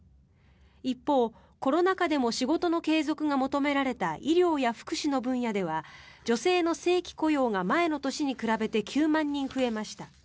一方、コロナ禍でも仕事の継続が求められた医療や福祉の分野では女性の正規雇用が前の年に比べて９万人増えました。